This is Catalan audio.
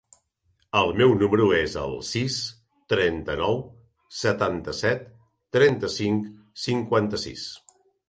El meu número es el sis, trenta-nou, setanta-set, trenta-cinc, cinquanta-sis.